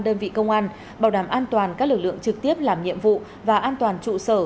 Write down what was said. đơn vị công an bảo đảm an toàn các lực lượng trực tiếp làm nhiệm vụ và an toàn trụ sở